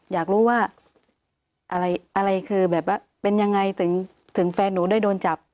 อยากรู้ว่าอะไรคือแบบว่าเป็นยังไงถึงแฟนหนูได้โดนจับ